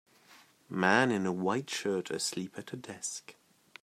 Man in a white shirt asleep at a desk.